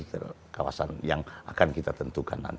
di kawasan yang akan kita tentukan nanti